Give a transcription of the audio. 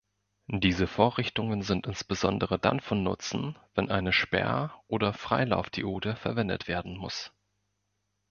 Diese Vorrichtungen sind insbesondere dann von Nutzen, wenn eine Sperr- oder Freilaufdiode verwendet werden muss.